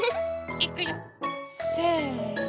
いくよせの。